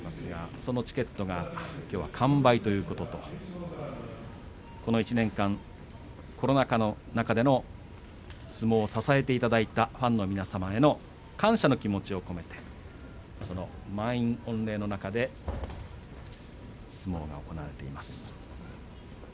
そのチケットがきょう完売ということとこの１年間、コロナ禍の中での相撲を支えていただいたファンの皆様への感謝の気持ちを込めて満員御礼の中で相撲が行われています。